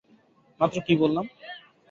মাত্র কী বললাম?